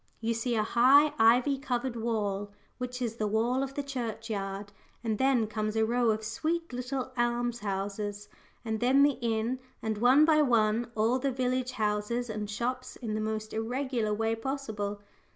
You see a high, ivy covered wall, which is the wall of the church yard, and then comes a row of sweet little alms houses, and then the inn, and one by one all the village houses and shops in the most irregular way possible.